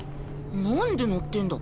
なんで乗ってんだ。